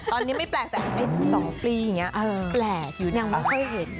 ตอนนี้ไม่แปลกแต่ไอ้๒ปีอย่างนี้แปลกหรือยังไม่ค่อยเห็น